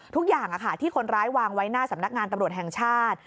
ทุกอย่างที่คนร้ายวางไว้หน้าสำนักงานตำรวจแห่งชาติ